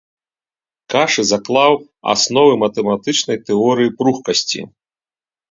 Кашы заклаў асновы матэматычнай тэорыі пругкасці.